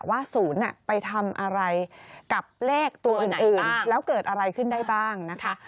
๐ไปทำอะไรกับเลขตัวอื่นแล้วเกิดอะไรขึ้นได้บ้างนะคะ